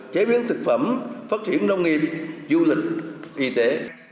chế biến thực phẩm phát triển nông nghiệp du lịch y tế